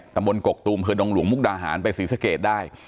บนกกตูมเผดงหลวงมุกดาหารไปศรีสะเกดได้